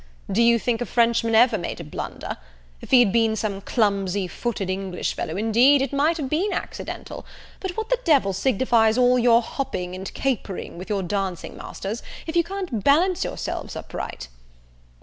Do you think a Frenchman ever made a blunder? If he had been some clumsy footed English fellow, indeed, it might have been accidental: but what the devil signifies all your hopping and capering with your dancing masters, if you can't balance yourselves upright?"